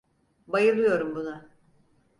Bayılıyorum buna.